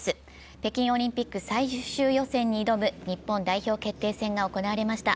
北京オリンピック最終予選に挑む日本代表決定戦が行われました。